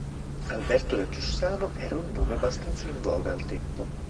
Alberto da Giussano era un nome abbastanza in voga al tempo.